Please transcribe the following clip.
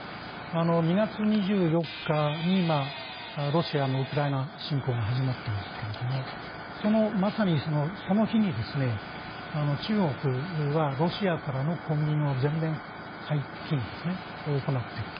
２月２４日にロシアのウクライナ侵攻が始まったんですけれどもまさに、その日に中国はロシアからの小麦の全面解禁を行っている。